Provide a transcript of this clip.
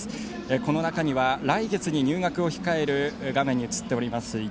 この中には来月に入学を控える画面に映っています